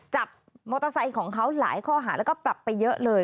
จับมอเตอร์ไซค์ของเขาหลายข้อหาแล้วก็ปรับไปเยอะเลย